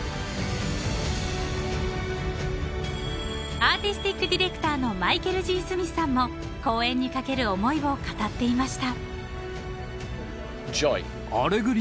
［アーティスティック・ディレクターのマイケル・Ｇ・スミスさんも公演にかける思いを語っていました］